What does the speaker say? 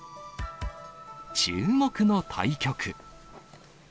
注目の対局。